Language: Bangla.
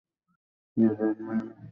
ইয়ে, ডেড ম্যান এখন আমার পক্ষে!